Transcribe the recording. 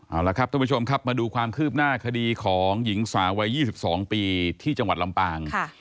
เอาละครับท่านผู้ชมครับมาดูความคืบหน้าคดีของหญิงสาววัย๒๒ปีที่จังหวัดลำปาง